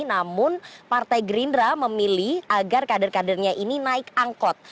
namun partai gerindra memilih agar kader kadernya ini naik angkot